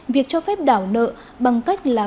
việc cho phép đảo nợ bằng cách là